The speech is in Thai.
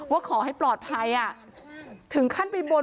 ว่าขอให้ปลอดภัยถึงขั้นไปบน